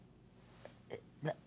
えっ？